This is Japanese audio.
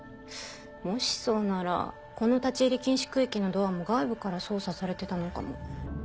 もしそうならこの立ち入り禁止区域のドアも外部から操作されてたのかも。